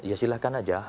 ya silahkan saja